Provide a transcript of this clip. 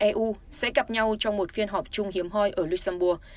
eu sẽ gặp nhau trong một phiên họp chung hiếm hoi ở luxembourg